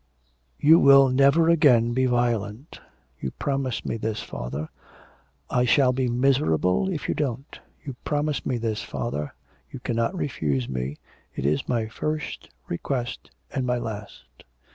'You will never again be violent. You promise me this, father. I shall be miserable if you don't. You promise me this, father? You cannot refuse me. It is my first request and my last.'